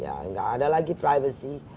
ya nggak ada lagi privacy